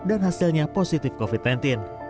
dan hasilnya positif covid sembilan belas